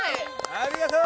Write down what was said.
ありがとう！